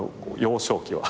幼少期は。